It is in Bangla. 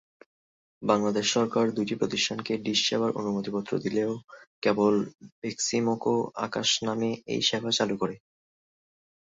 বাংলাদেশ সরকার দুইটি প্রতিষ্ঠানকে ডিশ সেবার অনুমতিপত্র দিলেও কেবল বেক্সিমকো আকাশ নামে এই সেবা চালু করে।